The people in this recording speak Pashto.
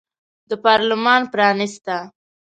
د پارلمان پرانیستنه